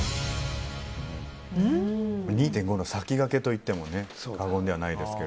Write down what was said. ２．５の先駆けと言っても過言ではないですが。